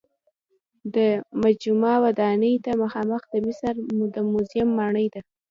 د مجمع ودانۍ ته مخامخ د مصر د موزیم ماڼۍ ده.